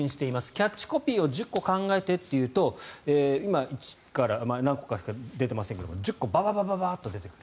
キャッチコピーを１０個考えてと言うと何個か出てませんが１０個、バババッと出てくる。